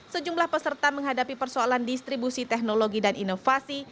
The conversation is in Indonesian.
sejumlah peserta menghadapi persoalan distribusi teknologi dan inovasi